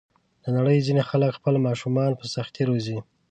د نړۍ ځینې خلک خپل ماشومان په سختۍ روزي.